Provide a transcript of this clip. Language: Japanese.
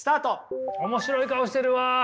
面白い顔してるわ。